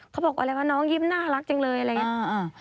เขาบอกอะไรวะน้องยิ้มน่ารักจังเลยอะไรอย่างนี้